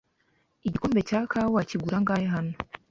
Igikombe cya kawa kigura angahe hano?